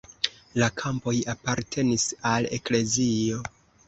La kampoj apartenis al eklezio.